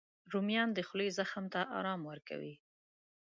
رومیان د خولې زخم ته ارام ورکوي